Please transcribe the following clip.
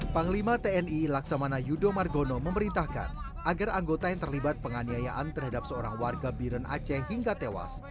panglima tni laksamana yudo margono memerintahkan agar anggota yang terlibat penganiayaan terhadap seorang warga biren aceh hingga tewas